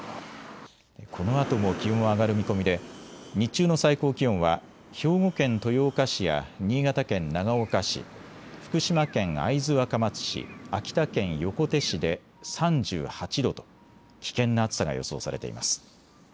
このあとも気温は上がる見込みで日中の最高気温は兵庫県豊岡市や新潟県長岡市、福島県会津若松市、秋田県横手市で３８度と危険な暑さが予想されています。